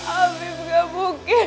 abim gak mungkin meninggal